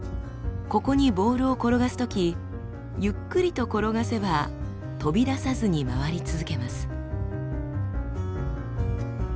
ここにボールを転がすときゆっくりと転がせば飛び出さずに回り続けます。